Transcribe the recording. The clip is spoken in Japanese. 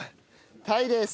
タイです。